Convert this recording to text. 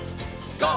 ＧＯ！